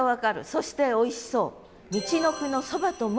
そしておいしそう。